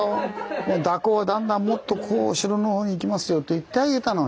もう蛇行がだんだんもっとこうお城のほうに行きますよ」って言ってあげたのに。